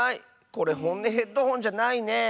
これほんねヘッドホンじゃないね。